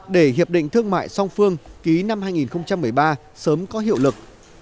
để hiệp định thương mại song phương ký năm hai nghìn một mươi ba sớm có hiệu lực